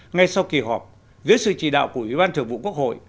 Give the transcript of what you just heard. ngay sau kỳ họp dưới sự chỉ đạo của ủy ban thượng vụ quốc hội